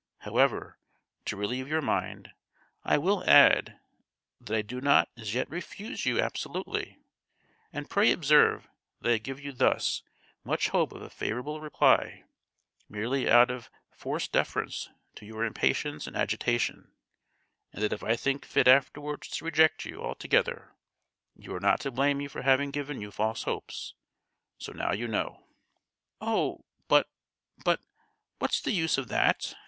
However, to relieve your mind, I will add, that I do not as yet refuse you absolutely; and pray observe that I give you thus much hope of a favourable reply, merely out of forced deference to your impatience and agitation; and that if I think fit afterwards to reject you altogether, you are not to blame me for having given you false hopes. So now you know." "Oh, but—but—what's the use of that?